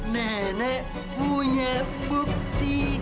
nenek punya bukti